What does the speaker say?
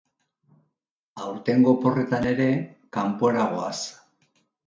Aurtengo oporretan ere kanpora goaz